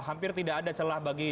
hampir tidak ada celah bagi